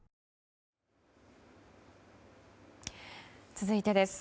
続いてです。